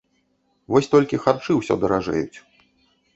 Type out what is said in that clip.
Вось толькі харчы ўсё даражэюць.